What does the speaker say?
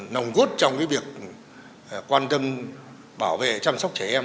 nồng cốt trong việc quan tâm bảo vệ chăm sóc trẻ em